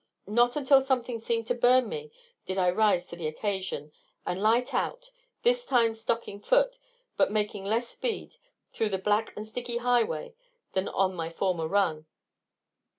Not until something seemed to burn me did I rise to the occasion, and light out, this time stocking foot, but making less speed through the black and sticky highway than on my former run.